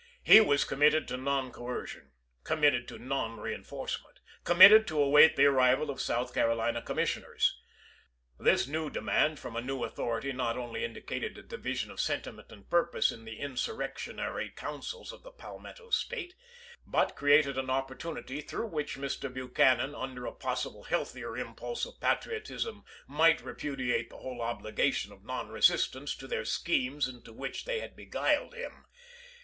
He was committed to non coercion; com mitted to non reenforcement ; committed to await the arrival of South Carolina commissioners. This new demand from a new authority not only indi cated a division of sentiment and purpose in the insurrectionary councils in the Palmetto State, but created an opportunity through which Mr. Buch anan under a possible healthier impulse of pa triotism might repudiate the whole obligation of non resistance to their schemes into which they had beguiled him.